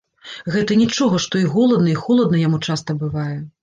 Гэта нічога, што і голадна і холадна яму часта бывае!